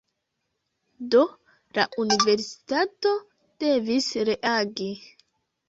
Do, la universitato devis reagi